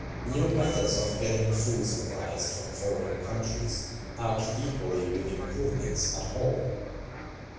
New methods of getting food supplies from foreign countries act equally with improvements at home.